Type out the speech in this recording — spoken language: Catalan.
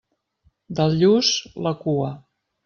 Del lluç, la cua.